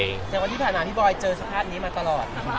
แต่วันที่ผ่านมาพี่บอยเจอสภาพนี้มาตลอด